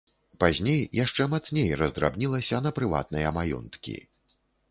Пазней яшчэ мацней раздрабнілася на прыватныя маёнткі.